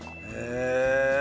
へえ！